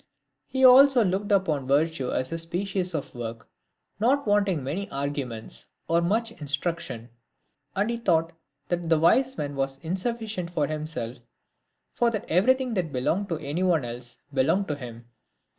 He also looked upon virtue as a species of work, not wanting many arguments, or much instruction ; and he taught that the wise man was sufficient for himself ; for that everything that belonged to any one else belonged to him.